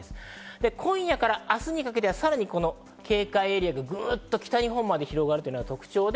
今夜から明日にかけてはさらにこの警戒エリアがぐっと北日本まで広がるのが特徴。